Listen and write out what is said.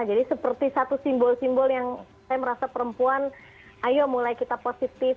jadi seperti satu simbol simbol yang saya merasa perempuan ayo mulai kita positif